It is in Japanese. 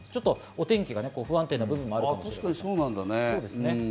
お天気が不安定な部分がありますね。